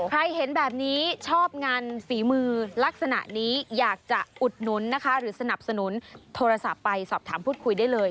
เห็นแบบนี้ชอบงานฝีมือลักษณะนี้อยากจะอุดหนุนนะคะหรือสนับสนุนโทรศัพท์ไปสอบถามพูดคุยได้เลย